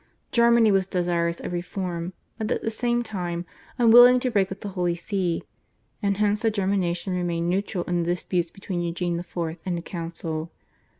Germany was desirous of reform, but at the same time unwilling to break with the Holy See, and hence the German nation remained neutral in the disputes between Eugene IV. and the Council.